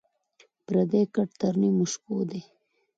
پردى کټ تر نيمو شپو دى.